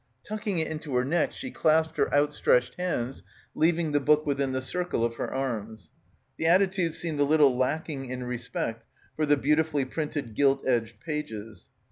Tuck ing it into her neck she clasped her outstretched hands, leaving the book within the circle of her arms. The attitude seemed a little lacking in respect for the beautifully printed gilt edged pages.